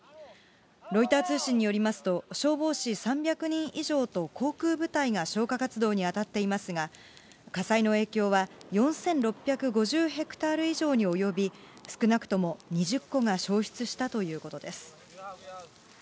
ロイター通信によりますと、消防士３００人以上と航空部隊が消火活動に当たっていますが、火災の影響は４６５０ヘクタール以上に及び、少なくとも２０戸が焼失したということです。